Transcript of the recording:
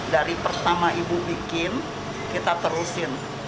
dari pertama ibu bikin kita terusin